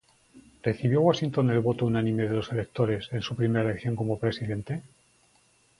¿Recibió Washington el voto unánime de los electores en su primera elección como Presidente?